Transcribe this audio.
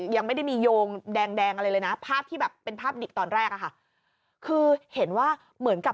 ยังไม่ได้มีโยงแดงอะไรเลยนะ